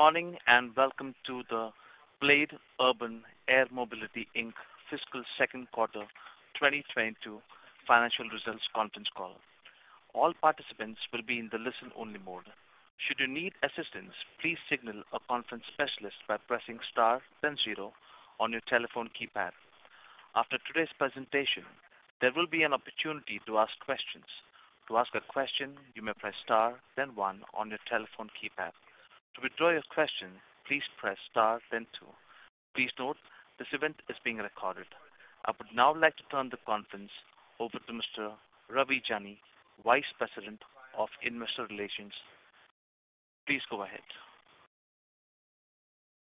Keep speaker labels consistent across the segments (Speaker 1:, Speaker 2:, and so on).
Speaker 1: Good morning, and welcome to the BLADE Urban Air Mobility, Inc. Fiscal Second Quarter 2022 Financial Results Conference Call. All participants will be in the listen-only mode. Should you need assistance, please signal a conference specialist by pressing star then zero on your telephone keypad. After today's presentation, there will be an opportunity to ask questions. To ask a question, you may press star then one on your telephone keypad. To withdraw your question, please press star then two. Please note this event is being recorded. I would now like to turn the conference over to Mr. Ravi Jani, Vice President of Investor Relations. Please go ahead.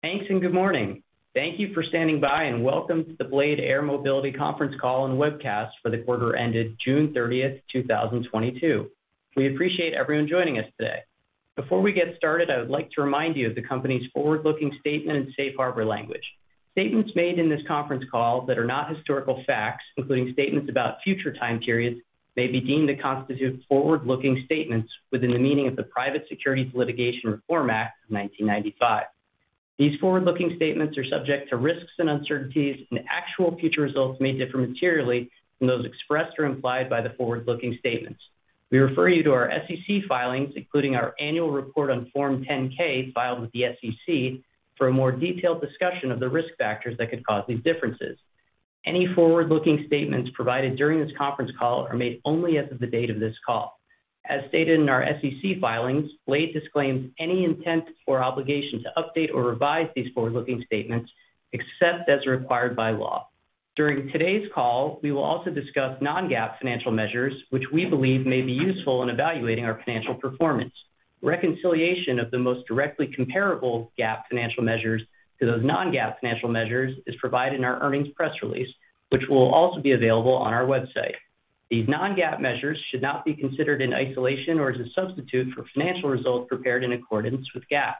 Speaker 2: Thanks, and good morning. Thank you for standing by and welcome to the Blade Air Mobility Conference Call and Webcast for the quarter ended June 30th, 2022. We appreciate everyone joining us today. Before we get started, I would like to remind you of the company's forward-looking statement and safe harbor language. Statements made in this conference call that are not historical facts, including statements about future time periods, may be deemed to constitute forward-looking statements within the meaning of the Private Securities Litigation Reform Act of 1995. These forward-looking statements are subject to risks and uncertainties, and actual future results may differ materially from those expressed or implied by the forward-looking statements. We refer you to our SEC filings, including our annual report on Form 10-K filed with the SEC for a more detailed discussion of the risk factors that could cause these differences. Any forward-looking statements provided during this conference call are made only as of the date of this call. As stated in our SEC filings, Blade disclaims any intent or obligation to update or revise these forward-looking statements, except as required by law. During today's call, we will also discuss non-GAAP financial measures, which we believe may be useful in evaluating our financial performance. Reconciliation of the most directly comparable GAAP financial measures to those non-GAAP financial measures is provided in our earnings press release, which will also be available on our website. These non-GAAP measures should not be considered in isolation or as a substitute for financial results prepared in accordance with GAAP.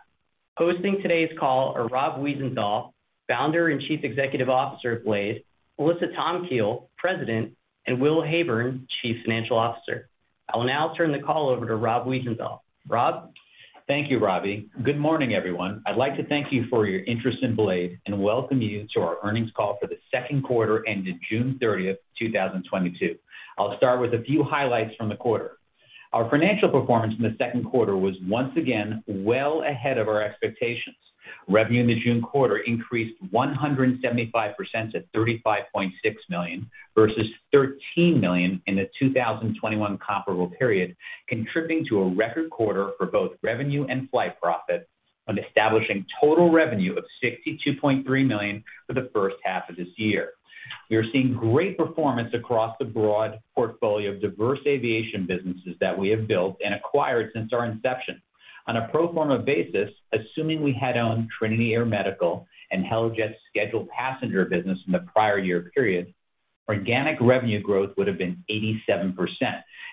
Speaker 2: Hosting today's call are Rob Wiesenthal, Founder and Chief Executive Officer of Blade, Melissa Tomkiel, President, and Will Heyburn, Chief Financial Officer. I will now turn the call over to Rob Wiesenthal. Rob?
Speaker 3: Thank you, Ravi. Good morning, everyone. I'd like to thank you for your interest in Blade and welcome you to our earnings call for the second quarter ended June 30th, 2022. I'll start with a few highlights from the quarter. Our financial performance in the second quarter was once again well ahead of our expectations. Revenue in the June quarter increased 175% to $35.6 million, versus $13 million in the 2021 comparable period, contributing to a record quarter for both revenue and flight profit and establishing total revenue of $62.3 million for the first half of this year. We are seeing great performance across the broad portfolio of diverse aviation businesses that we have built and acquired since our inception. On a pro forma basis, assuming we had owned Trinity Air Medical and Helijet's scheduled passenger business in the prior year period, organic revenue growth would have been 87%.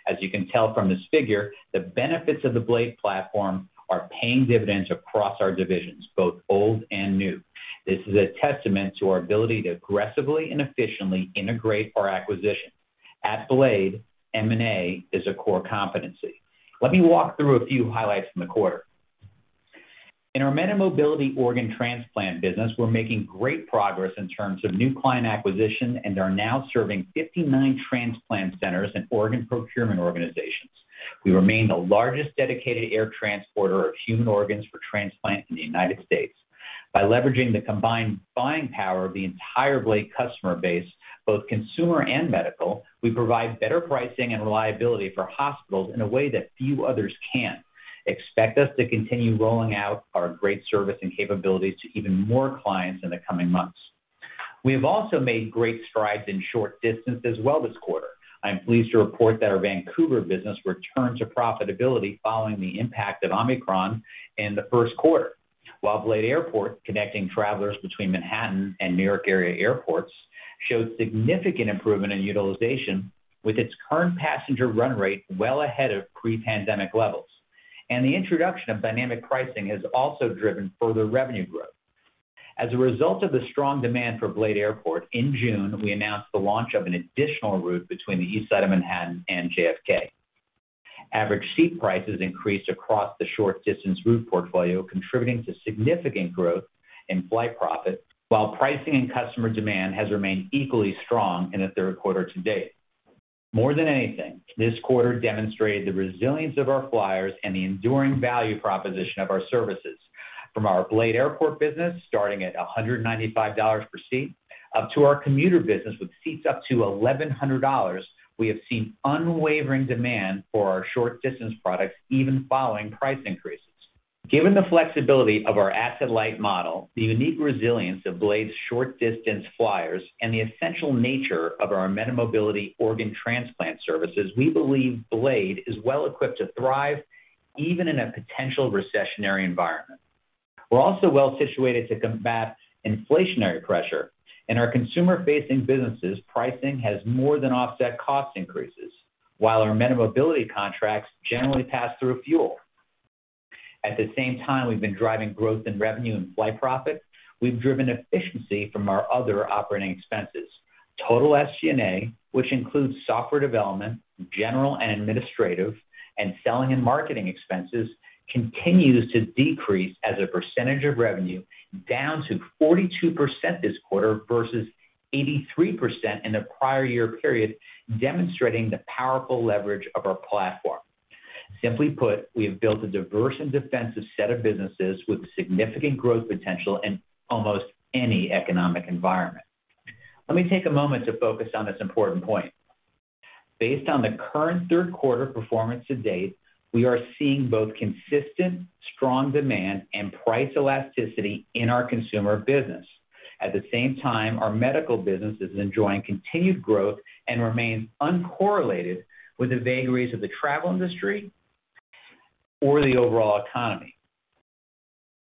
Speaker 3: As you can tell from this figure, the benefits of the Blade platform are paying dividends across our divisions, both old and new. This is a testament to our ability to aggressively and efficiently integrate our acquisitions. At Blade, M&A is a core competency. Let me walk through a few highlights from the quarter. In our MediMobility organ transplant business, we're making great progress in terms of new client acquisition and are now serving 59 transplant centers and organ procurement organizations. We remain the largest dedicated air transporter of human organs for transplant in the United States. By leveraging the combined buying power of the entire Blade customer base, both consumer and medical, we provide better pricing and reliability for hospitals in a way that few others can. Expect us to continue rolling out our great service and capabilities to even more clients in the coming months. We have also made great strides in short distance as well this quarter. I am pleased to report that our Vancouver business returned to profitability following the impact of Omicron in the first quarter. While BLADE Airport, connecting travelers between Manhattan and New York area airports, showed significant improvement in utilization with its current passenger run rate well ahead of pre-pandemic levels. The introduction of dynamic pricing has also driven further revenue growth. As a result of the strong demand for BLADE Airport, in June, we announced the launch of an additional route between the East Side of Manhattan and JFK. Average seat prices increased across the short distance route portfolio, contributing to significant growth in flight profit, while pricing and customer demand has remained equally strong in the third quarter to date. More than anything, this quarter demonstrated the resilience of our flyers and the enduring value proposition of our services. From our BLADE Airport business, starting at $195 per seat, up to our commuter business with seats up to $1,100, we have seen unwavering demand for our short distance products even following price increases. Given the flexibility of our asset-light model, the unique resilience of Blade's short distance flyers, and the essential nature of our MediMobility organ transplant services, we believe Blade is well equipped to thrive even in a potential recessionary environment. We're also well situated to combat inflationary pressure. In our consumer-facing businesses, pricing has more than offset cost increases, while our MediMobility contracts generally pass through fuel. At the same time we've been driving growth in revenue and flight profit, we've driven efficiency from our other operating expenses. Total SG&A, which includes software development, general and administrative, and selling and marketing expenses, continues to decrease as a percentage of revenue down to 42% this quarter versus 83% in the prior year period, demonstrating the powerful leverage of our platform. Simply put, we have built a diverse and defensive set of businesses with significant growth potential in almost any economic environment. Let me take a moment to focus on this important point. Based on the current third quarter performance to date, we are seeing both consistent strong demand and price elasticity in our consumer business. At the same time, our medical business is enjoying continued growth and remains uncorrelated with the vagaries of the travel industry or the overall economy.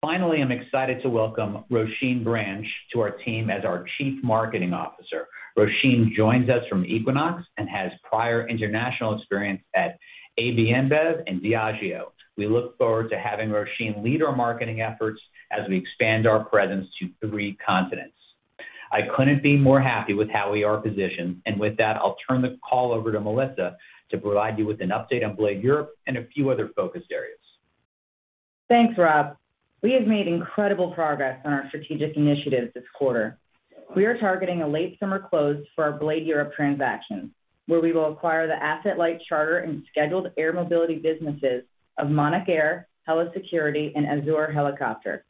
Speaker 3: Finally, I'm excited to welcome Roisin Branch to our team as our Chief Marketing Officer. Roisin joins us from Equinox and has prior international experience at AB InBev and Diageo. We look forward to having Roisin lead our marketing efforts as we expand our presence to three continents. I couldn't be more happy with how we are positioned, and with that, I'll turn the call over to Melissa to provide you with an update on BLADE Europe and a few other focus areas.
Speaker 4: Thanks, Rob. We have made incredible progress on our strategic initiatives this quarter. We are targeting a late summer close for our BLADE Europe transaction, where we will acquire the asset-light charter and scheduled air mobility businesses of Monacair, Héli Sécurité, and Azur Hélicoptère.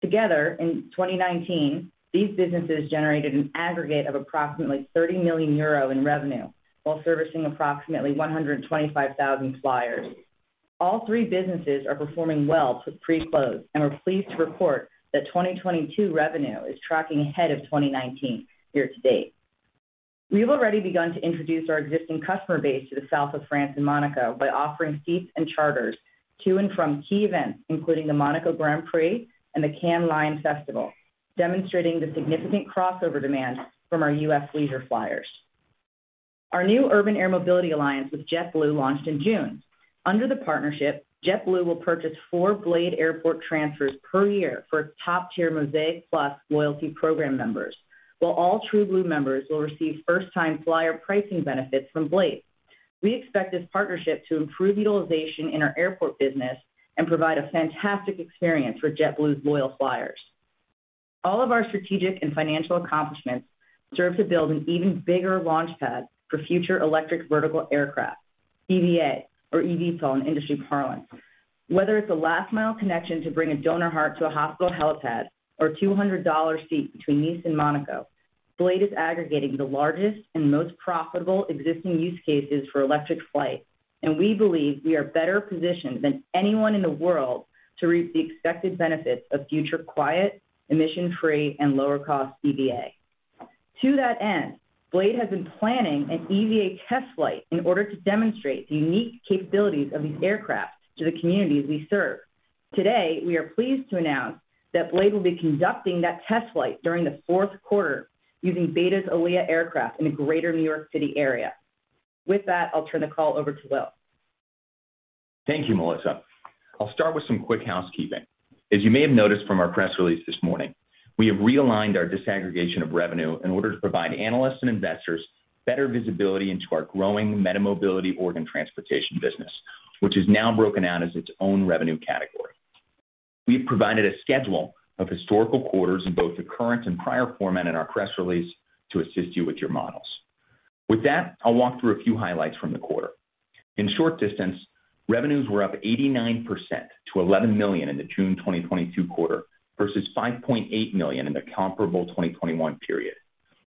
Speaker 4: Together, in 2019, these businesses generated an aggregate of approximately 30 million euro in revenue while servicing approximately 125,000 flyers. All three businesses are performing well for pre-close, and we're pleased to report that 2022 revenue is tracking ahead of 2019 year to date. We've already begun to introduce our existing customer base to the South of France and Monaco by offering seats and charters to and from key events, including the Monaco Grand Prix and the Cannes Lions Festival, demonstrating the significant crossover demand from our U.S. leisure flyers. Our new Urban Air Mobility Alliance with JetBlue launched in June. Under the partnership, JetBlue will purchase four BLADE Airport transfers per year for its top-tier Mosaic 4 loyalty program members, while all TrueBlue members will receive first-time flyer pricing benefits from Blade. We expect this partnership to improve utilization in our airport business and provide a fantastic experience for JetBlue's loyal flyers. All of our strategic and financial accomplishments serve to build an even bigger launch pad for future electric vertical aircraft, EVA or eVTOL in industry parlance. Whether it's a last-mile connection to bring a donor heart to a hospital helipad or $200 seat between Nice and Monaco, Blade is aggregating the largest and most profitable existing use cases for electric flight, and we believe we are better positioned than anyone in the world to reap the expected benefits of future quiet, emission-free, and lower-cost EVA. To that end, Blade has been planning an EVA test flight in order to demonstrate the unique capabilities of these aircraft to the communities we serve. Today, we are pleased to announce that Blade will be conducting that test flight during the fourth quarter using BETA's ALIA aircraft in the greater New York City area. With that, I'll turn the call over to Will.
Speaker 5: Thank you, Melissa. I'll start with some quick housekeeping. As you may have noticed from our press release this morning, we have realigned our disaggregation of revenue in order to provide analysts and investors better visibility into our growing MediMobility organ transportation business, which is now broken out as its own revenue category. We've provided a schedule of historical quarters in both the current and prior format in our press release to assist you with your models. With that, I'll walk through a few highlights from the quarter. In short distance, revenues were up 89% to $11 million in the June 2022 quarter versus $5.8 million in the comparable 2021 period.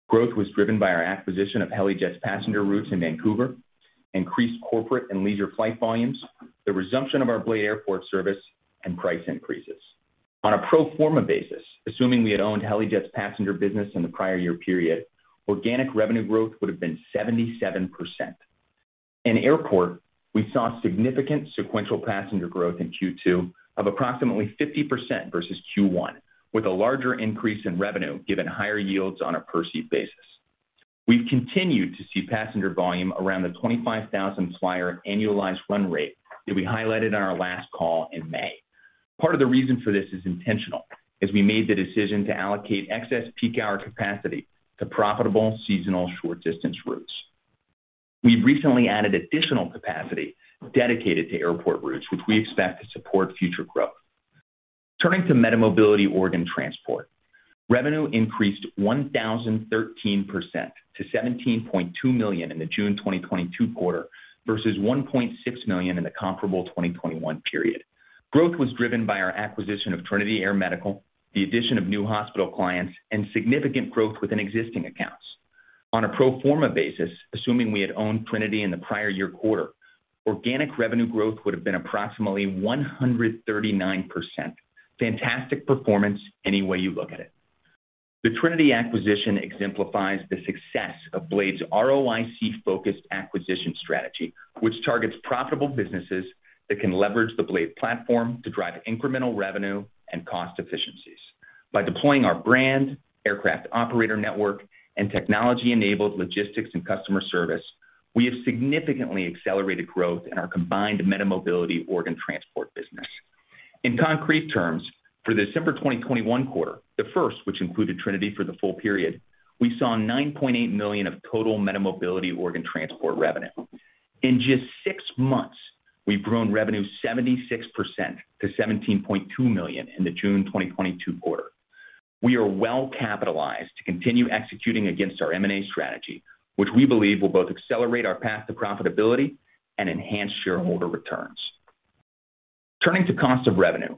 Speaker 5: Growth was driven by our acquisition of Helijet's passenger routes in Vancouver, increased corporate and leisure flight volumes, the resumption of our BLADE Airport service, and price increases. On a pro forma basis, assuming we had owned Helijet's passenger business in the prior year period, organic revenue growth would have been 77%. In airport, we saw significant sequential passenger growth in Q2 of approximately 50% versus Q1, with a larger increase in revenue given higher yields on a per-seat basis. We've continued to see passenger volume around the 25,000 flyer annualized run rate that we highlighted on our last call in May. Part of the reason for this is intentional, as we made the decision to allocate excess peak hour capacity to profitable seasonal short distance routes. We've recently added additional capacity dedicated to airport routes, which we expect to support future growth. Turning to MediMobility organ transport. Revenue increased 1,013% to $17.2 million in the June 2022 quarter versus $1.6 million in the comparable 2021 period. Growth was driven by our acquisition of Trinity Air Medical, the addition of new hospital clients, and significant growth within existing accounts. On a pro forma basis, assuming we had owned Trinity in the prior year quarter, organic revenue growth would have been approximately 139%. Fantastic performance any way you look at it. The Trinity acquisition exemplifies the success of Blade's ROIC-focused acquisition strategy, which targets profitable businesses that can leverage the Blade platform to drive incremental revenue and cost efficiencies. By deploying our brand, aircraft operator network, and technology-enabled logistics and customer service, we have significantly accelerated growth in our combined MediMobility organ transport business. In concrete terms, for the December 2021 quarter, the first which included Trinity for the full period, we saw $9.8 million of total MediMobility organ transport revenue. In just six months, we've grown revenue 76% to $17.2 million in the June 2022 quarter. We are well-capitalized to continue executing against our M&A strategy, which we believe will both accelerate our path to profitability and enhance shareholder returns. Turning to cost of revenue.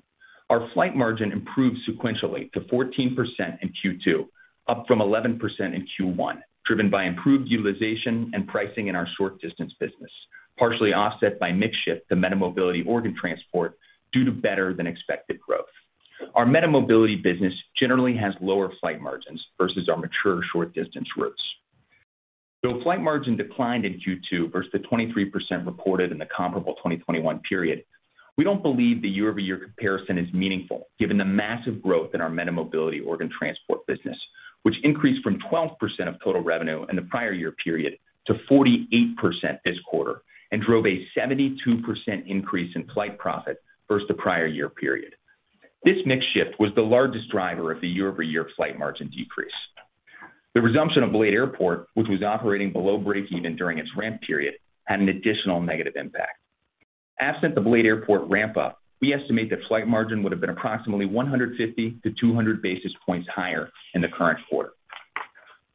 Speaker 5: Our flight margin improved sequentially to 14% in Q2, up from 11% in Q1, driven by improved utilization and pricing in our short distance business, partially offset by mix shift to MediMobility organ transport due to better than expected growth. Our MediMobility business generally has lower flight margins versus our mature short distance routes. Though flight margin declined in Q2 versus the 23% reported in the comparable 2021 period, we don't believe the year-over-year comparison is meaningful given the massive growth in our MediMobility organ transport business, which increased from 12% of total revenue in the prior year period to 48% this quarter and drove a 72% increase in flight profit versus the prior year period. This mix shift was the largest driver of the year-over-year flight margin decrease. The resumption of BLADE Airport, which was operating below breakeven during its ramp period, had an additional negative impact. Absent the BLADE Airport ramp up, we estimate that flight margin would have been approximately 150-200 basis points higher in the current quarter.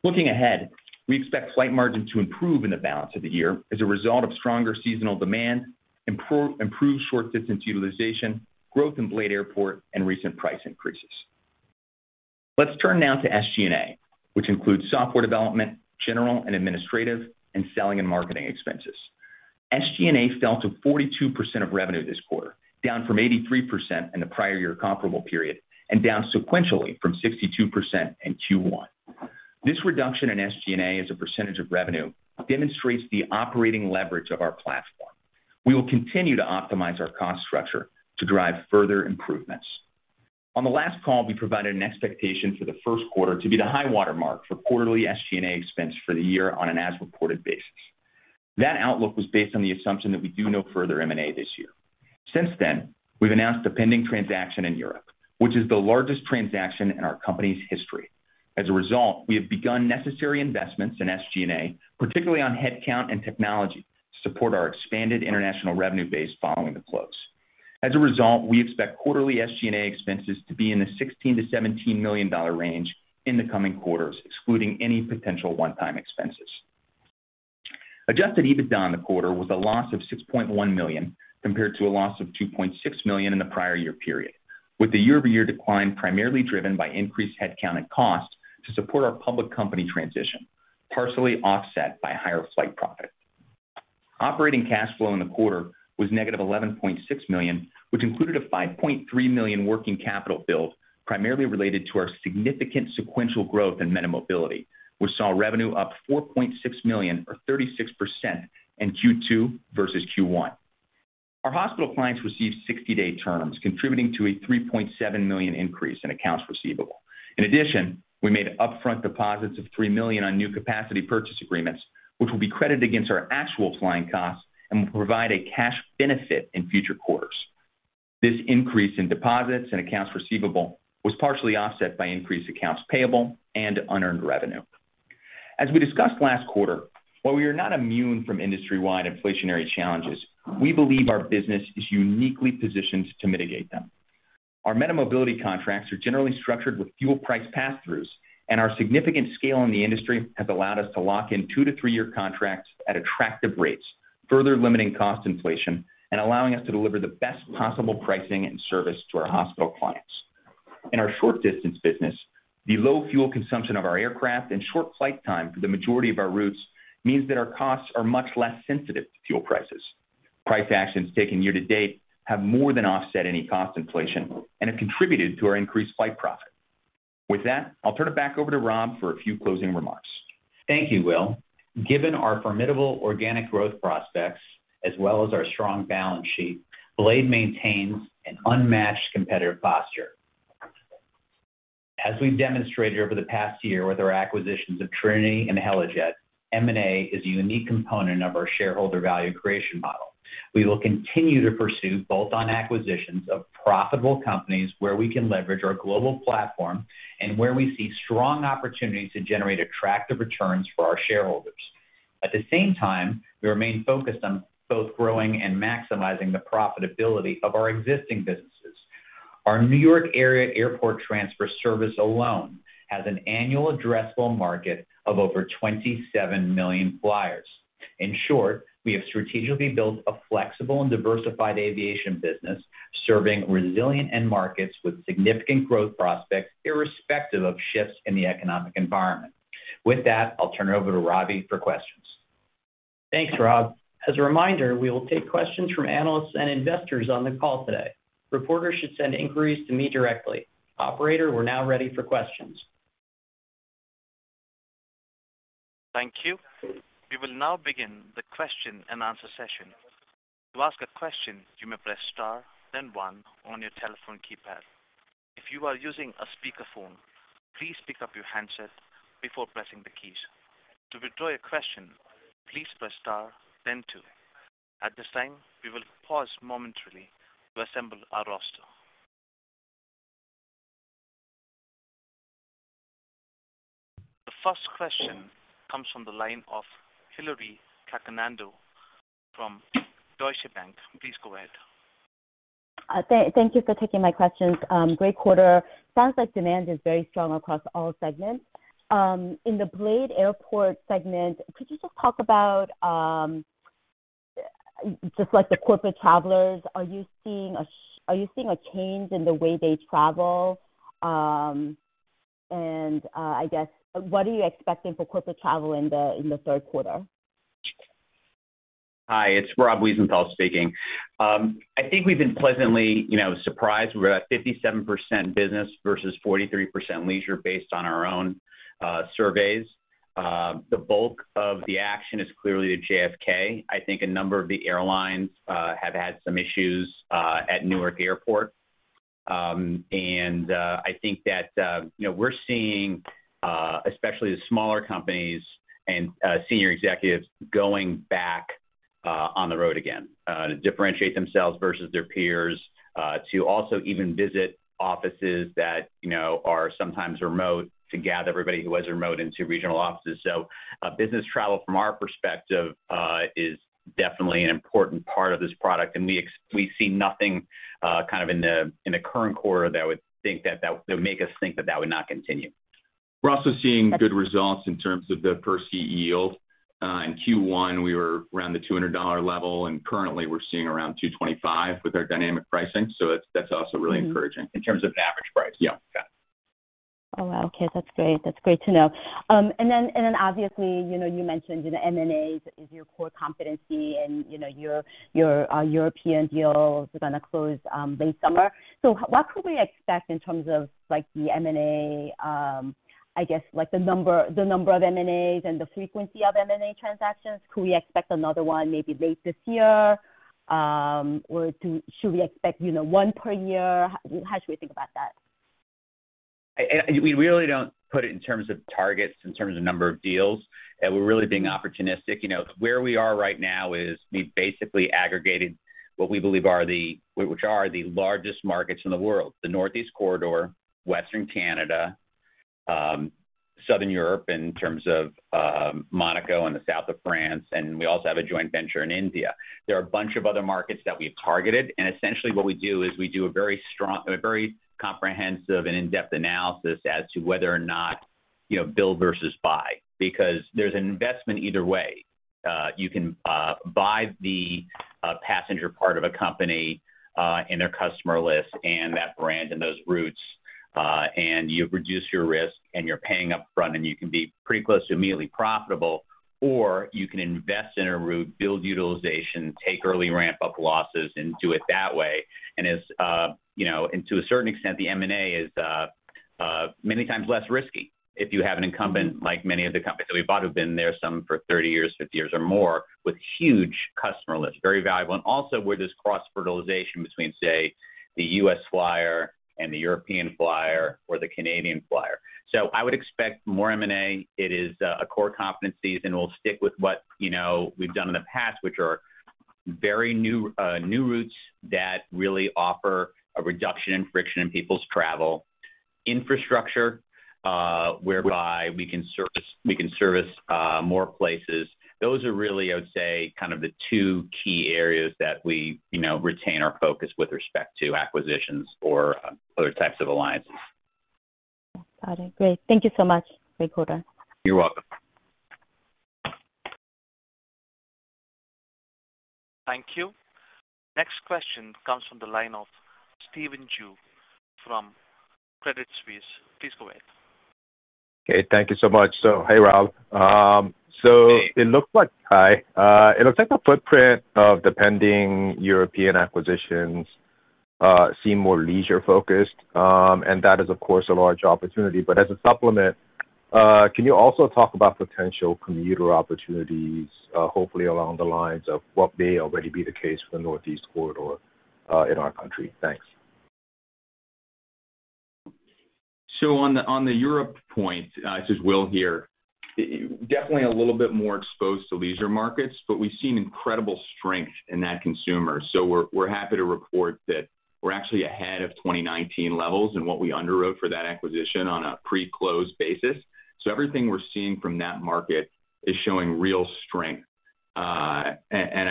Speaker 5: Looking ahead, we expect flight margin to improve in the balance of the year as a result of stronger seasonal demand, improved short distance utilization, growth in BLADE Airport, and recent price increases. Let's turn now to SG&A, which includes software development, general and administrative, and selling and marketing expenses. SG&A fell to 42% of revenue this quarter, down from 83% in the prior year comparable period and down sequentially from 62% in Q1. This reduction in SG&A as a percentage of revenue demonstrates the operating leverage of our platform. We will continue to optimize our cost structure to drive further improvements. On the last call, we provided an expectation for the first quarter to be the high watermark for quarterly SG&A expense for the year on an as-reported basis. That outlook was based on the assumption that we do no further M&A this year. Since then, we've announced a pending transaction in Europe, which is the largest transaction in our company's history. As a result, we have begun necessary investments in SG&A, particularly on headcount and technology, to support our expanded international revenue base following the close. As a result, we expect quarterly SG&A expenses to be in the $16 million-$17 million range in the coming quarters, excluding any potential one-time expenses. Adjusted EBITDA in the quarter was a loss of $6.1 million, compared to a loss of $2.6 million in the prior year period, with the year-over-year decline primarily driven by increased headcount and cost to support our public company transition, partially offset by higher flight profit. Operating cash flow in the quarter was -$11.6 million, which included a $5.3 million working capital build primarily related to our significant sequential growth in MediMobility, which saw revenue up $4.6 million or 36% in Q2 versus Q1. Our hospital clients received 60-day terms, contributing to a $3.7 million increase in accounts receivable. In addition, we made upfront deposits of $3 million on new capacity purchase agreements, which will be credited against our actual flying costs and will provide a cash benefit in future quarters. This increase in deposits and accounts receivable was partially offset by increased accounts payable and unearned revenue. As we discussed last quarter, while we are not immune from industry-wide inflationary challenges, we believe our business is uniquely positioned to mitigate them. Our MediMobility contracts are generally structured with fuel price passthroughs, and our significant scale in the industry has allowed us to lock in two to three-year contracts at attractive rates, further limiting cost inflation and allowing us to deliver the best possible pricing and service to our hospital clients. In our short distance business, the low fuel consumption of our aircraft and short flight time for the majority of our routes means that our costs are much less sensitive to fuel prices. Price actions taken year to date have more than offset any cost inflation and have contributed to our increased flight profit. With that, I'll turn it back over to Rob for a few closing remarks.
Speaker 3: Thank you, Will. Given our formidable organic growth prospects as well as our strong balance sheet, Blade maintains an unmatched competitive posture. As we've demonstrated over the past year with our acquisitions of Trinity and Helijet, M&A is a unique component of our shareholder value creation model. We will continue to pursue bolt-on acquisitions of profitable companies where we can leverage our global platform and where we see strong opportunities to generate attractive returns for our shareholders. At the same time, we remain focused on both growing and maximizing the profitability of our existing businesses. Our New York area airport transfer service alone has an annual addressable market of over 27 million flyers. In short, we have strategically built a flexible and diversified aviation business serving resilient end markets with significant growth prospects irrespective of shifts in the economic environment. With that, I'll turn it over to Ravi for questions.
Speaker 2: Thanks, Rob. As a reminder, we will take questions from analysts and investors on the call today. Reporters should send inquiries to me directly. Operator, we're now ready for questions.
Speaker 1: Thank you. We will now begin the question and answer session. To ask a question, you may press star then one on your telephone keypad. If you are using a speakerphone, please pick up your handset before pressing the keys. To withdraw your question, please press star then two. At this time, we will pause momentarily to assemble our roster. The first question comes from the line of Hillary Cacanando from Deutsche Bank. Please go ahead.
Speaker 6: Thank you for taking my questions. Great quarter. Sounds like demand is very strong across all segments. In the BLADE Airport segment, could you just talk about just like the corporate travelers, are you seeing a change in the way they travel? I guess what are you expecting for corporate travel in the third quarter?
Speaker 3: Hi, it's Rob Wiesenthal speaking. I think we've been pleasantly, you know, surprised. We're at 57% business versus 43% leisure based on our own surveys. The bulk of the action is clearly at JFK. I think a number of the airlines have had some issues at Newark Airport. I think that, you know, we're seeing especially the smaller companies and senior executives going back on the road again to differentiate themselves versus their peers to also even visit offices that, you know, are sometimes remote, to gather everybody who was remote into regional offices. Business travel from our perspective is definitely an important part of this product. We see nothing kind of in the current quarter that would make us think that would not continue.
Speaker 5: We're also seeing good results in terms of the per-seat yield. In Q1 we were around the $200 level, and currently we're seeing around $225 with our dynamic pricing. That's also really encouraging. In terms of an average price. Yeah.
Speaker 6: Oh, wow. Okay. That's great. That's great to know. Obviously, you know, you mentioned, you know, M&A is your core competency and, you know, your European deal is gonna close late summer. So what could we expect in terms of like the M&A, I guess, like the number of M&As and the frequency of M&A transactions? Could we expect another one maybe late this year? Or should we expect, you know, one per year? How should we think about that?
Speaker 3: We really don't put it in terms of targets, in terms of number of deals. We're really being opportunistic. You know, where we are right now is we've basically aggregated what we believe are the largest markets in the world, the Northeast Corridor, Western Canada, Southern Europe in terms of Monaco and the South of France, and we also have a joint venture in India. There are a bunch of other markets that we've targeted, and essentially what we do is we do a very comprehensive and in-depth analysis as to whether or not, you know, build versus buy, because there's an investment either way. You can buy the passenger part of a company and their customer list and that brand and those routes, and you reduce your risk and you're paying upfront and you can be pretty close to immediately profitable, or you can invest in a route, build utilization, take early ramp-up losses and do it that way. You know and to a certain extent, the M&A is many times less risky if you have an incumbent, like many of the companies that we bought have been there some for 30 years, 50 years or more, with huge customer lists, very valuable. Also where there's cross-fertilization between, say, the U.S. flyer and the European flyer or the Canadian flyer. I would expect more M&A. It is a core competency and we'll stick with what, you know, we've done in the past, which are very new routes that really offer a reduction in friction in people's travel. Infrastructure whereby we can service more places. Those are really, I would say, kind of the two key areas that we, you know, retain our focus with respect to acquisitions or other types of alliances.
Speaker 6: Got it. Great. Thank you so much. Great quarter.
Speaker 3: You're welcome.
Speaker 1: Thank you. Next question comes from the line of Stephen Ju from Credit Suisse. Please go ahead.
Speaker 7: Okay, thank you so much. Hey, Rob.
Speaker 3: Hey.
Speaker 7: It looks like the footprint of the pending European acquisitions seem more leisure-focused. That is of course a large opportunity. As a supplement, can you also talk about potential commuter opportunities, hopefully along the lines of what may already be the case for the Northeast Corridor in our country? Thanks.
Speaker 5: On the Europe point, this is Will Heyburn here, definitely a little bit more exposed to leisure markets, but we've seen incredible strength in that consumer. We're happy to report that we're actually ahead of 2019 levels and what we underwrote for that acquisition on a pre-close basis. Everything we're seeing from that market is showing real strength. I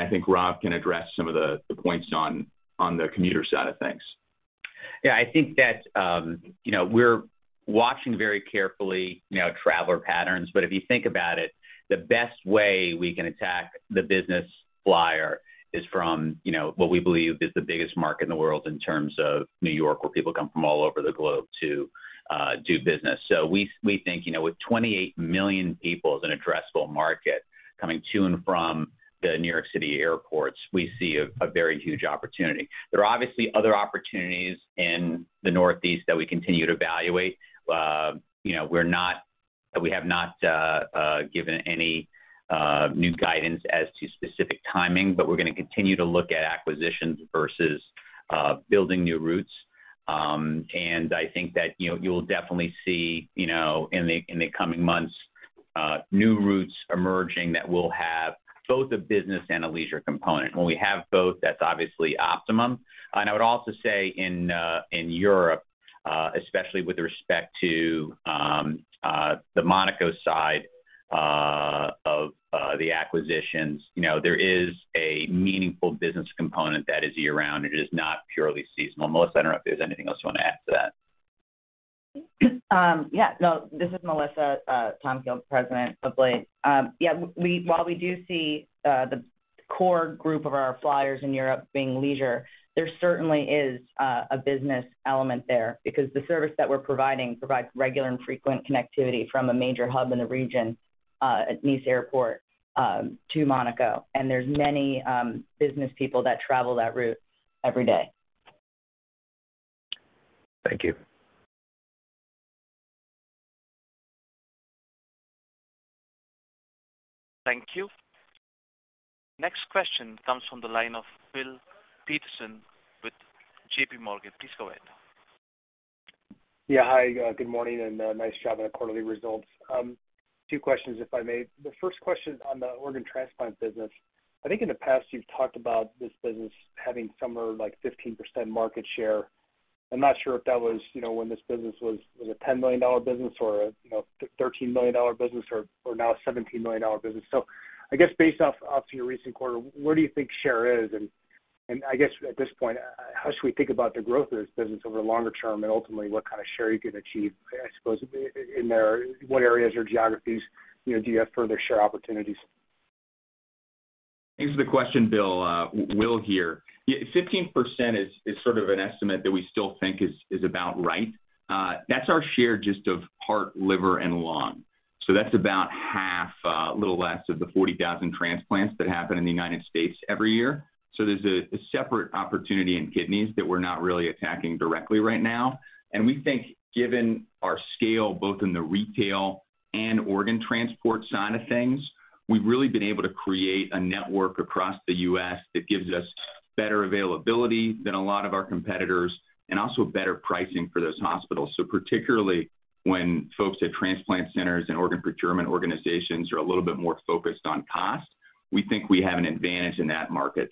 Speaker 5: think Rob Wiesenthal can address some of the points on the commuter side of things.
Speaker 3: Yeah, I think that, you know, we're watching very carefully, you know, traveler patterns, but if you think about it, the best way we can attack the business flyer is from, you know, what we believe is the biggest market in the world in terms of New York, where people come from all over the globe to do business. We think, you know, with 28 million people as an addressable market coming to and from the New York City airports, we see a very huge opportunity. There are obviously other opportunities in the Northeast that we continue to evaluate. You know, we're not
Speaker 5: We have not given any new guidance as to specific timing, but we're gonna continue to look at acquisitions versus building new routes. I think that, you know, you'll definitely see, you know, in the coming months new routes emerging that will have both a business and a leisure component. When we have both, that's obviously optimum. I would also say in Europe, especially with respect to the Monaco side of the acquisitions, you know, there is a meaningful business component that is year-round. It is not purely seasonal. Melissa, I don't know if there's anything else you wanna add to that.
Speaker 4: No, this is Melissa Tomkiel, President of Blade. While we do see the core group of our flyers in Europe being leisure, there certainly is a business element there because the service that we're providing provides regular and frequent connectivity from a major hub in the region at Nice Airport to Monaco. There's many business people that travel that route every day.
Speaker 5: Thank you.
Speaker 1: Thank you. Next question comes from the line of Bill Peterson with J.P. Morgan. Please go ahead.
Speaker 8: Yeah. Hi, good morning, and nice job on the quarterly results. Two questions, if I may. The first question on the organ transplant business. I think in the past you've talked about this business having somewhere like 15% market share. I'm not sure if that was, you know, when this business was a $10 million business or, you know, a $13 million business or now a $17 million business. I guess based off your recent quarter, where do you think share is? I guess at this point, how should we think about the growth of this business over the longer term? Ultimately, what kind of share are you gonna achieve, I suppose, in there? What areas or geographies, you know, do you have further share opportunities?
Speaker 5: Thanks for the question, Bill. Will here. Yeah, 15% is sort of an estimate that we still think is about right. That's our share just of heart, liver, and lung. That's about half, a little less of the 40,000 transplants that happen in the United States every year. There's a separate opportunity in kidneys that we're not really attacking directly right now. We think given our scale, both in the retail and organ transport side of things, we've really been able to create a network across the U.S. that gives us better availability than a lot of our competitors and also better pricing for those hospitals. Particularly when folks at transplant centers and organ procurement organizations are a little bit more focused on cost, we think we have an advantage in that market.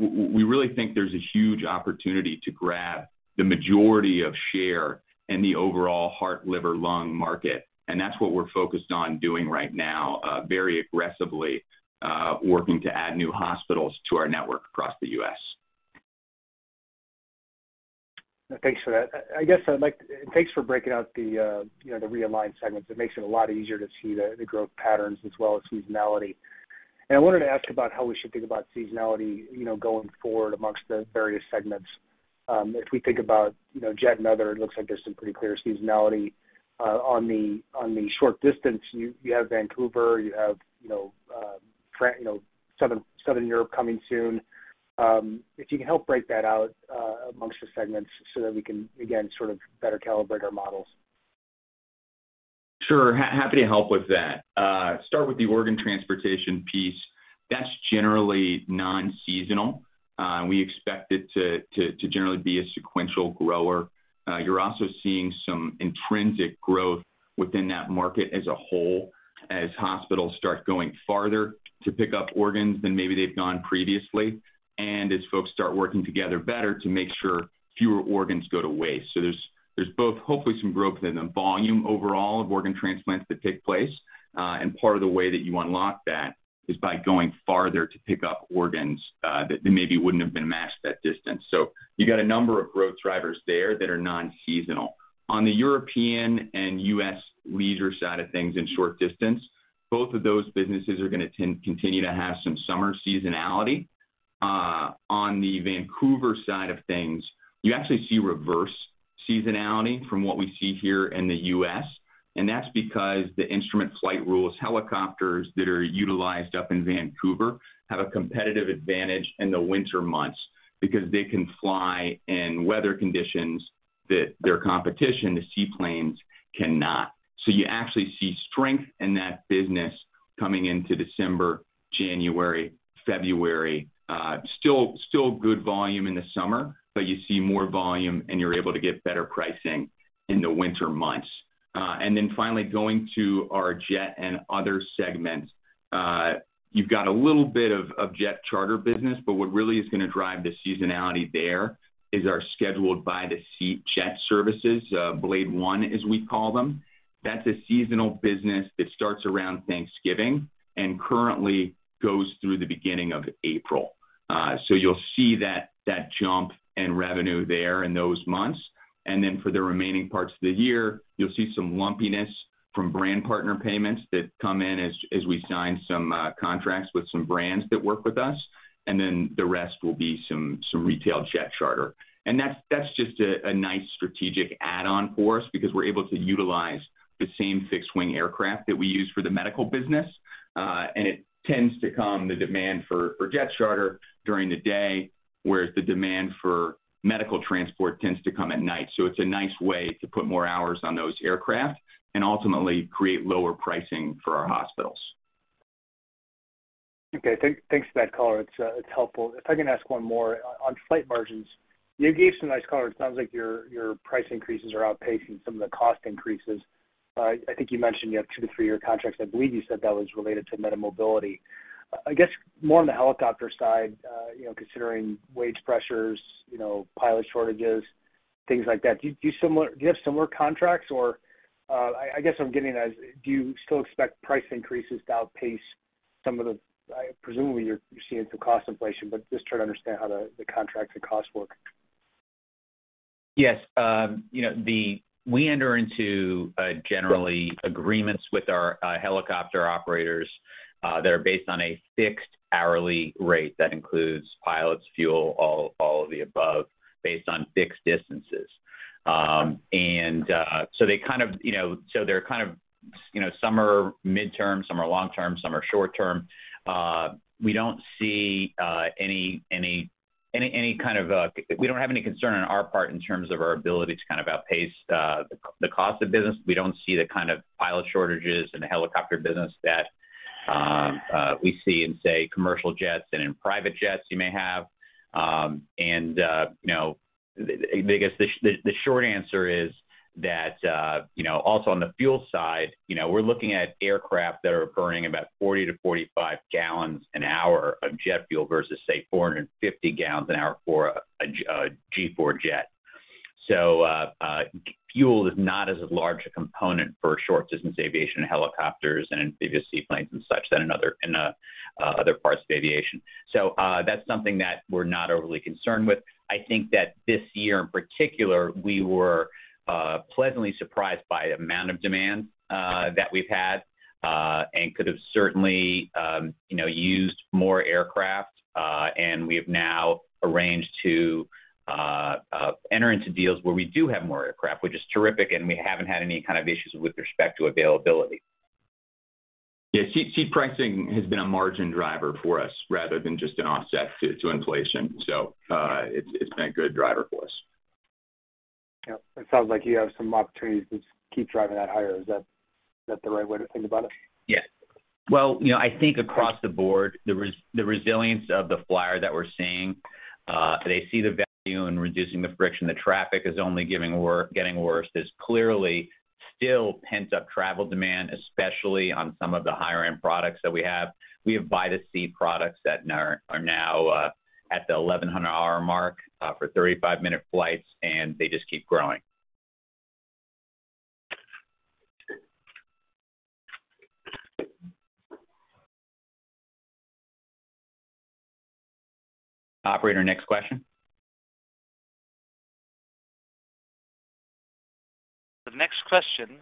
Speaker 5: We really think there's a huge opportunity to grab the majority of share in the overall heart-liver-lung market, and that's what we're focused on doing right now, very aggressively, working to add new hospitals to our network across the U.S.
Speaker 8: Thanks for that. Thanks for breaking out the, you know, the realigned segments. It makes it a lot easier to see the growth patterns as well as seasonality. I wanted to ask about how we should think about seasonality, you know, going forward among the various segments. If we think about, you know, Jet and Other, it looks like there's some pretty clear seasonality on the short distance. You have Vancouver, you have, you know, Southern Europe coming soon. If you can help break that out among the segments so that we can again, sort of better calibrate our models.
Speaker 5: Happy to help with that. Start with the organ transportation piece. That's generally non-seasonal. We expect it to generally be a sequential grower. You're also seeing some intrinsic growth within that market as a whole, as hospitals start going farther to pick up organs than maybe they've gone previously, and as folks start working together better to make sure fewer organs go to waste. There's both hopefully some growth in the volume overall of organ transplants that take place. Part of the way that you unlock that is by going farther to pick up organs, that maybe wouldn't have been matched that distance. You got a number of growth drivers there that are non-seasonal. On the European and U.S. leisure side of things in short distance, both of those businesses are gonna continue to have some summer seasonality. On the Vancouver side of things, you actually see reverse seasonality from what we see here in the U.S., and that's because the instrument flight rules helicopters that are utilized up in Vancouver have a competitive advantage in the winter months because they can fly in weather conditions that their competition, the seaplanes, cannot. You actually see strength in that business coming into December, January, February. Still good volume in the summer, but you see more volume, and you're able to get better pricing in the winter months. Finally going to our Jet and Other segments. You've got a little bit of jet charter business, but what really is gonna drive the seasonality there is our scheduled by-the-seat jet services, BladeOne as we call them. That's a seasonal business that starts around Thanksgiving and currently goes through the beginning of April. You'll see that jump in revenue there in those months. For the remaining parts of the year, you'll see some lumpiness from brand partner payments that come in as we sign some contracts with some brands that work with us. The rest will be some retail jet charter. That's just a nice strategic add-on for us because we're able to utilize the same fixed-wing aircraft that we use for the medical business. The demand for jet charter tends to come during the day, whereas the demand for medical transport tends to come at night. It's a nice way to put more hours on those aircraft and ultimately create lower pricing for our hospitals.
Speaker 8: Okay. Thanks for that color. It's helpful. If I can ask one more. On flight margins, you gave some nice color. It sounds like your price increases are outpacing some of the cost increases. I think you mentioned you have two to three-year contracts. I believe you said that was related to MediMobility. I guess more on the helicopter side, you know, considering wage pressures, you know, pilot shortages, things like that. Do you have similar contracts or, I guess I'm getting at is, do you still expect price increases to outpace some of the. Presumably you're seeing some cost inflation, but just trying to understand how the contracts and costs work.
Speaker 3: Yes. You know, we enter into general agreements with our helicopter operators that are based on a fixed hourly rate that includes pilots, fuel, all of the above, based on fixed distances. They kind of, you know, some are mid-term, some are long-term, some are short-term. We don't have any concern on our part in terms of our ability to kind of outpace the cost of business. We don't see the kind of pilot shortages in the helicopter business that we see in, say, commercial jets and in private jets you may have. You know, I guess the short answer is that you know, also on the fuel side, you know, we're looking at aircraft that are burning about 40 gal-45 gal an hour of jet fuel versus, say, 450 gal an hour for a G-IV jet. Fuel is not as large a component for short distance aviation helicopters and amphibious seaplanes and such than in other parts of aviation. That's something that we're not overly concerned with. I think that this year in particular, we were pleasantly surprised by the amount of demand that we've had, and could have certainly, you know, used more aircraft, and we have now arranged to enter into deals where we do have more aircraft, which is terrific, and we haven't had any kind of issues with respect to availability.
Speaker 5: Yeah. See, pricing has been a margin driver for us rather than just an offset to inflation. It's been a good driver for us.
Speaker 8: Yeah. It sounds like you have some opportunities to keep driving that higher. Is that the right way to think about it?
Speaker 5: Yeah.
Speaker 3: Well, you know, I think across the board, the resilience of the flyer that we're seeing, they see the value in reducing the friction. The traffic is only getting worse. There's clearly still pent-up travel demand, especially on some of the higher-end products that we have. We have by-the-seat products that are now at the 1,100-hour mark for 35-minute flights, and they just keep growing. Operator, next question.
Speaker 1: The next question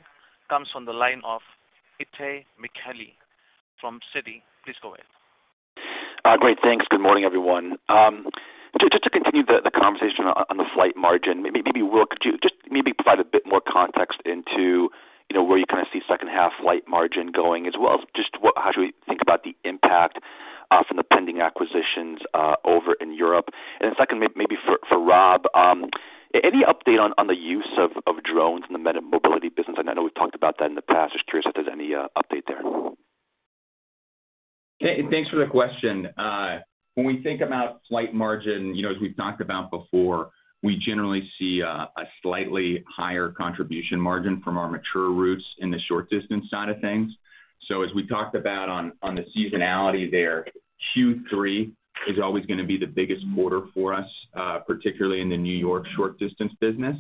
Speaker 1: comes from the line of Itay Michaeli from Citi. Please go ahead.
Speaker 9: Great. Thanks. Good morning, everyone. Just to continue the conversation on the flight margin, maybe Will, could you just provide a bit more context into, you know, where you kind of see second half flight margin going, as well as just what how should we think about the impact from the pending acquisitions over in Europe? Then second one maybe for Rob. Any update on the use of drones in the MediMobility business? I know we've talked about that in the past. Just curious if there's any update there.
Speaker 10: Okay. Thanks for the question. When we think about flight margin, you know, as we've talked about before, we generally see a slightly higher contribution margin from our mature routes in the short distance side of things. As we talked about on the seasonality there, Q3 is always gonna be the biggest quarter for us, particularly in the New York short distance business.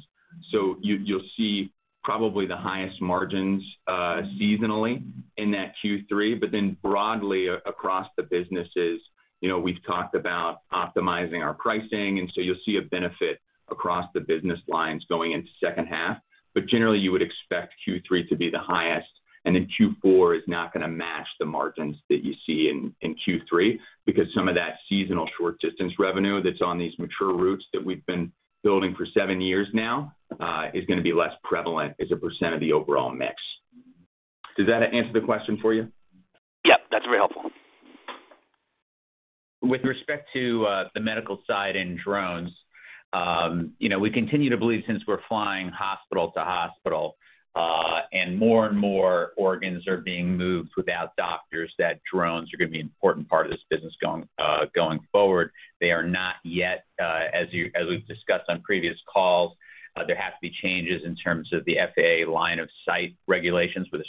Speaker 10: You'll see probably the highest margins, seasonally in that Q3. Then broadly across the businesses, you know, we've talked about optimizing our pricing, and so you'll see a benefit across the business lines going into second half. Generally, you would expect Q3 to be the highest, and then Q4 is not gonna match the margins that you see in Q3.
Speaker 3: Because some of that seasonal short distance revenue that's on these mature routes that we've been building for seven years now, is gonna be less prevalent as a percent of the overall mix. Does that answer the question for you?
Speaker 9: Yeah. That's very helpful.
Speaker 3: With respect to the medical side and drones, you know, we continue to believe since we're flying hospital to hospital, and more and more organs are being moved without doctors, that drones are gonna be an important part of this business going forward. They are not yet, as we've discussed on previous calls, there has to be changes in terms of the FAA line of sight regulations with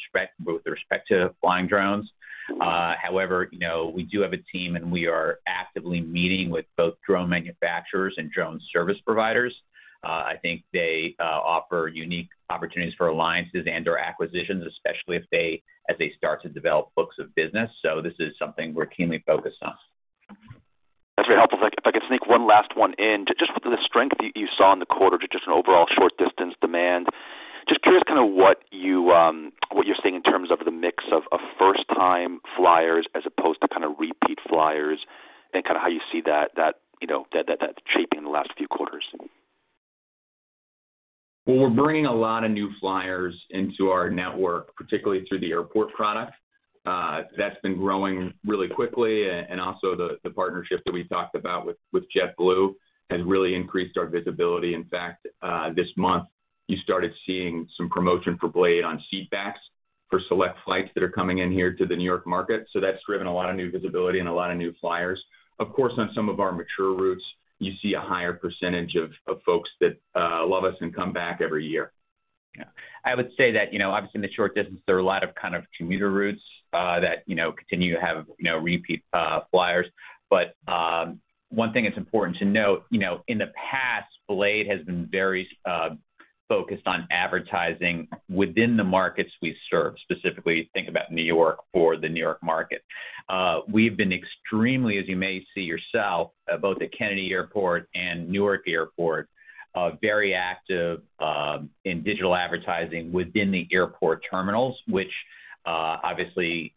Speaker 3: respect to flying drones. However, you know, we do have a team, and we are actively meeting with both drone manufacturers and drone service providers. I think they offer unique opportunities for alliances and/or acquisitions, especially as they start to develop books of business. This is something we're keenly focused on.
Speaker 9: That's very helpful. If I could sneak one last one in. Just with the strength you saw in the quarter, just in overall short distance demand, just curious kinda what you're seeing in terms of the mix of first time flyers as opposed to kinda repeat flyers and kinda how you see that, you know, that shaping in the last few quarters.
Speaker 5: Well, we're bringing a lot of new flyers into our network, particularly through the airport product. That's been growing really quickly, and also the partnership that we talked about with JetBlue has really increased our visibility. In fact, this month you started seeing some promotion for Blade on seatbacks for select flights that are coming in here to the New York market. That's driven a lot of new visibility and a lot of new flyers. Of course, on some of our mature routes, you see a higher percentage of folks that love us and come back every year.
Speaker 3: Yeah. I would say that, you know, obviously in the short distance, there are a lot of kind of commuter routes that, you know, continue to have, you know, repeat flyers. One thing that's important to note, you know, in the past, Blade has been very focused on advertising within the markets we serve, specifically think about New York for the New York market. We've been extremely, as you may see yourself, both at Kennedy Airport and Newark Airport, very active in digital advertising within the airport terminals, which, obviously,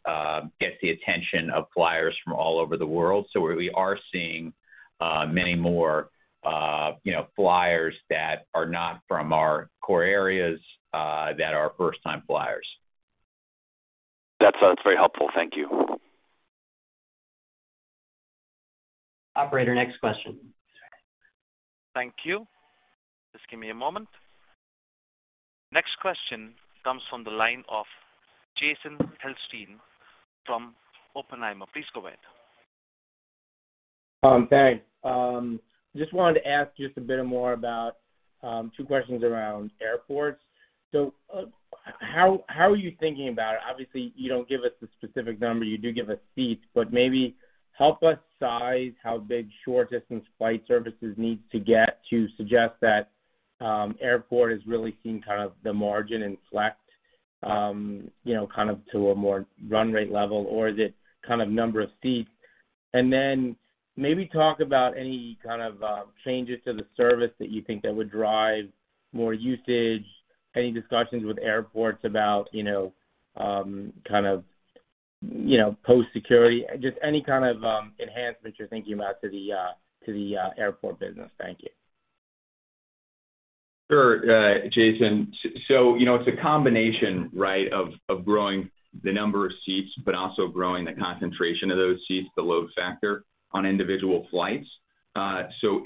Speaker 3: gets the attention of flyers from all over the world. We are seeing many more, you know, flyers that are not from our core areas that are first-time flyers.
Speaker 9: That's very helpful. Thank you.
Speaker 2: Operator, next question.
Speaker 1: Thank you. Just give me a moment. Next question comes from the line of Jason Helfstein from Oppenheimer. Please go ahead.
Speaker 11: Thanks. Just wanted to ask just a bit more about two questions around airports. How are you thinking about it? Obviously, you don't give us the specific number, you do give us seats, but maybe help us size how big short distance flight services need to get to suggest that airport is really seeing kind of the margin in flex, you know, kind of to a more run rate level, or is it kind of number of seats? Then maybe talk about any kind of changes to the service that you think that would drive more usage, any discussions with airports about, you know, kind of, you know, post-security, just any kind of enhancements you're thinking about to the airport business. Thank you.
Speaker 5: Sure, Jason. You know, it's a combination, right, of growing the number of seats, but also growing the concentration of those seats, the load factor on individual flights.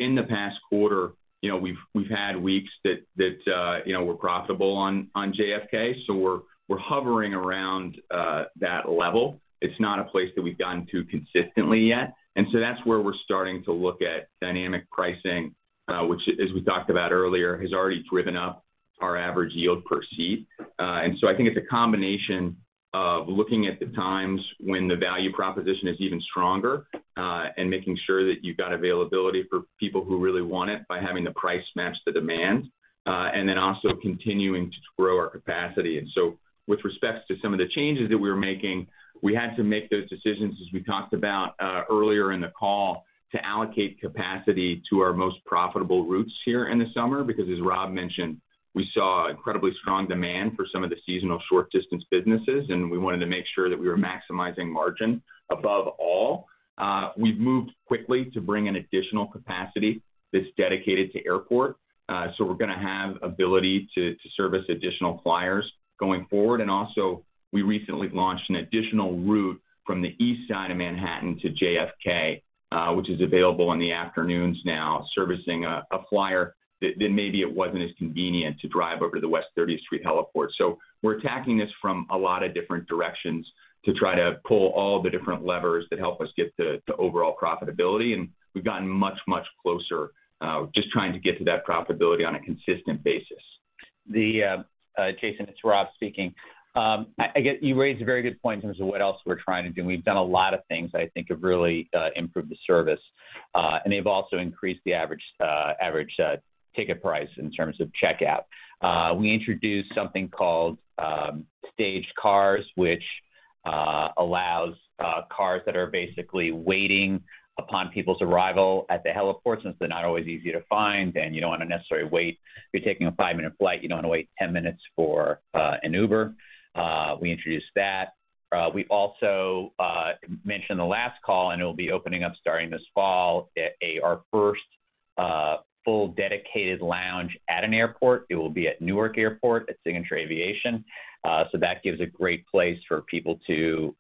Speaker 5: In the past quarter, you know, we've had weeks that you know, we're profitable on JFK, so we're hovering around that level. It's not a place that we've gotten to consistently yet. That's where we're starting to look at dynamic pricing, which as we talked about earlier, has already driven up our average yield per seat. I think it's a combination of looking at the times when the value proposition is even stronger, and making sure that you've got availability for people who really want it by having the price match the demand, and then also continuing to grow our capacity. With respect to some of the changes that we're making, we had to make those decisions, as we talked about, earlier in the call, to allocate capacity to our most profitable routes here in the summer. Because as Rob mentioned, we saw incredibly strong demand for some of the seasonal short distance businesses, and we wanted to make sure that we were maximizing margin above all. We've moved quickly to bring an additional capacity that's dedicated to Airport. We're gonna have ability to service additional flyers going forward. We recently launched an additional route from the east side of Manhattan to JFK, which is available in the afternoons now, servicing a flyer that then maybe it wasn't as convenient to drive over to the West 30th Street Heliport. We're attacking this from a lot of different directions to try to pull all the different levers that help us get to overall profitability, and we've gotten much, much closer, just trying to get to that profitability on a consistent basis.
Speaker 3: Jason, it's Rob speaking. You raised a very good point in terms of what else we're trying to do. We've done a lot of things that I think have really improved the service. They've also increased the average ticket price in terms of checkout. We introduced something called staged cars, which allows cars that are basically waiting upon people's arrival at the heliports, since they're not always easy to find. Then you don't wanna necessarily wait. If you're taking a five-minute flight, you don't wanna wait 10 minutes for an Uber. We introduced that. We also mentioned the last call, and it'll be opening up starting this fall at our first full dedicated lounge at an airport. It will be at Newark Airport at Signature Aviation. That gives a great place for people to,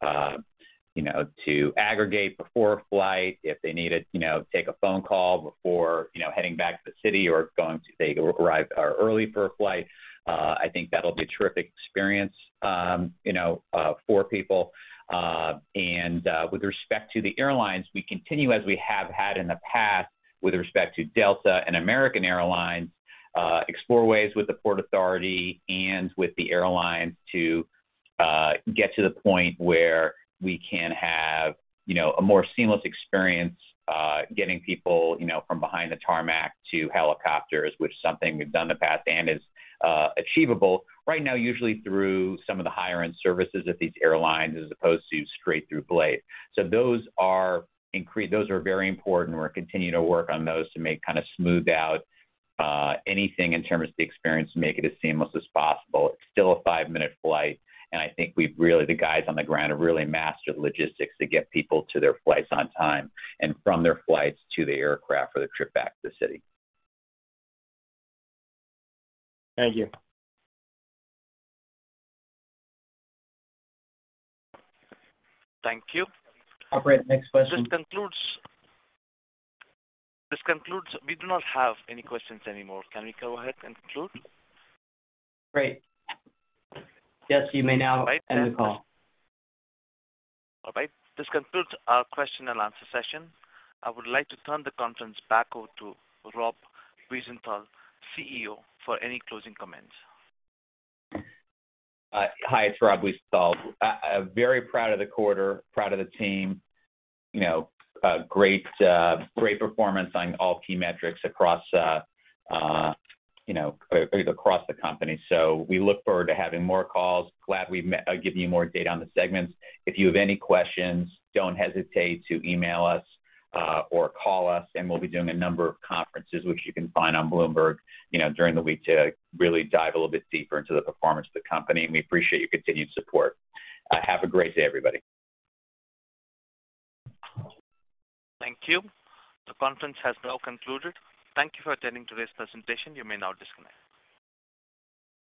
Speaker 3: you know, to aggregate before a flight if they needed, you know, take a phone call before, you know, heading back to the city or they arrive early for a flight. I think that'll be a terrific experience, you know, for people. With respect to the airlines, we continue as we have had in the past with respect to Delta and American Airlines, explore ways with the Port Authority and with the airlines to get to the point where we can have, you know, a more seamless experience getting people, you know, from behind the tarmac to helicopters, which is something we've done in the past and is achievable right now usually through some of the higher end services at these airlines as opposed to straight through Blade. Those are very important, and we're continuing to work on those to kind of smooth out anything in terms of the experience, make it as seamless as possible. It's still a five-minute flight, and I think the guys on the ground have really mastered the logistics to get people to their flights on time and from their flights to the aircraft for their trip back to the city.
Speaker 11: Thank you.
Speaker 1: Thank you.
Speaker 2: Operator, next question.
Speaker 1: This concludes. We do not have any questions anymore. Can we go ahead and conclude?
Speaker 2: Great. Yes, you may now end the call.
Speaker 1: All right. This concludes our question and answer session. I would like to turn the conference back over to Rob Wiesenthal, CEO, for any closing comments.
Speaker 3: Hi, it's Rob Wiesenthal. I'm very proud of the quarter, proud of the team, you know, great performance on all key metrics across the company. We look forward to having more calls. Glad we give you more data on the segments. If you have any questions, don't hesitate to email us or call us, and we'll be doing a number of conferences, which you can find on Bloomberg, you know, during the week to really dive a little bit deeper into the performance of the company. We appreciate your continued support. Have a great day, everybody.
Speaker 1: Thank you. The conference has now concluded. Thank you for attending today's presentation. You may now disconnect.